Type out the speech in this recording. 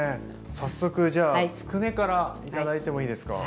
早速じゃあつくねから頂いてもいいですか。